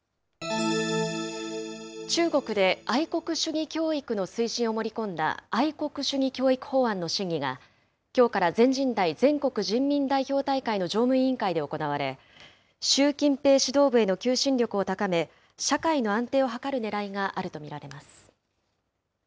中国で愛国主義教育の推進を盛り込んだ愛国主義教育法案の審議が、きょうから全人代・全国人民代表大会の常務委員会で行われ、習近平指導部への求心力を高め、社会の安定を図るねらいがあると見られます。